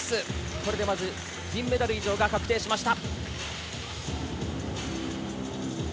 これでまず銀メダル以上が確定しました。